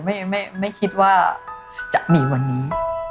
ไม่คิดว่าจะมีวันนี้